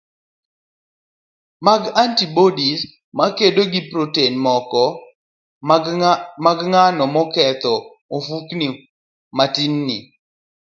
mag antibodies makedo gi protein moko mag ngano maketho ofuko matinni,